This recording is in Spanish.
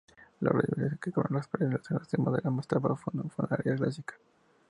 Los relieves que cubren las paredes ilustran los temas de la mastaba funeraria clásica.